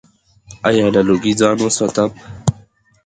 ایا له لوګي ځان وساتم؟